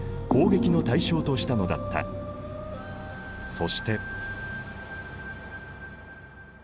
そして。